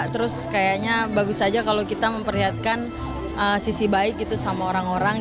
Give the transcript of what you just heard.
terus kayaknya bagus aja kalau kita memperlihatkan sisi baik gitu sama orang orang